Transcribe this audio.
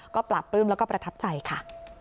ก็ปราบปลื้มแล้วก็ประทับใจค่ะ